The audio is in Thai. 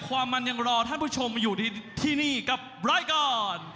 ความมันยังรอท่านผู้ชมอยู่ที่นี่กับรายการ